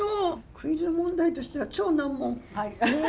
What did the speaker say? クイズ問題としては超難問。